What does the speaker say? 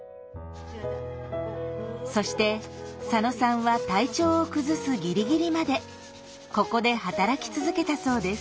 そして佐野さんは体調を崩すギリギリまでここで働き続けたそうです。